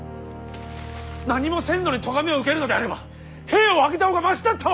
何もせんのに咎めを受けるのであれば兵を挙げた方がマシだったわ！